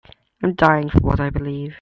I'm dying for what I believe.